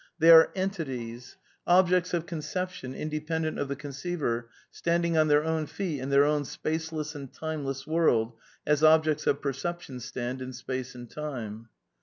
They are entitie s; objects of concept ion, independent of the eonceiver, standing on theirownTfeet in their own spaceless and timeless world, as objects of perception stand in space and time.